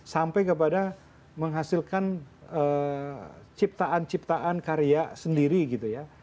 sampai kepada menghasilkan ciptaan ciptaan karya sendiri gitu ya